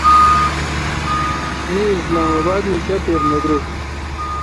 می اسلام اباد مے° شاپیر نہ دریݭ۔